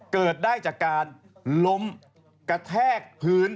เกิดได้จากการล้มกระแทกพื้น